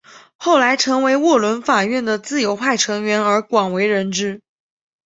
后来成为沃伦法院的自由派成员而广为人知。